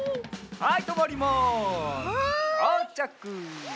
はい。